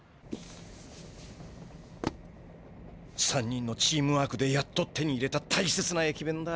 ３人のチームワークでやっと手に入れた大切な駅弁だ。